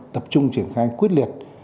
tập trung triển khai quyết liệt